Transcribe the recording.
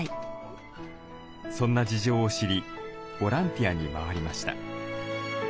そんな事情を知りボランティアに回りました。